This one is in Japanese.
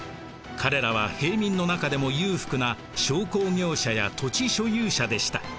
彼らは平民の中でも裕福な商工業者や土地所有者でした。